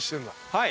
はい。